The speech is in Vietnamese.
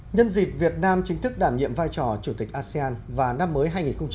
nhân dịp việt nam chính thức đảm nhiệm vai trò chủ tịch asean vào năm mới hai nghìn hai mươi